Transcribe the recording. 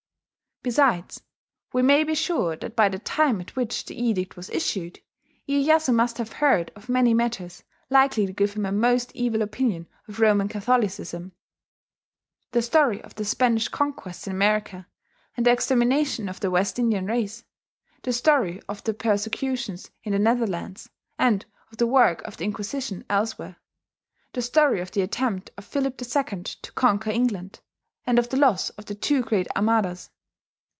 Besides, we may be sure that by the time at which the edict was issued, Iyeyasu must have heard of many matters likely to give him a most evil opinion of Roman Catholicism: the story of the Spanish conquests in America, and the extermination of the West Indian races; the story of the persecutions in the Netherlands, and of the work of the Inquisition elsewhere; the story of the attempt of Philip II to conquer England, and of the loss of the two great Armadas.